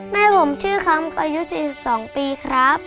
แม่ผมชื่อคำอายุ๔๒ปีครับ